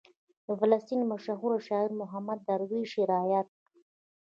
د فلسطین مشهور شاعر محمود درویش یې رایاد کړ.